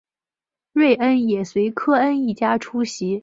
瑞恩也随科恩一家出席。